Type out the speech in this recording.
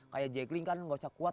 kayak jackling kan nggak usah kuat